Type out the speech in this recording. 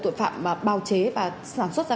tội phạm mà bao chế và sản xuất ra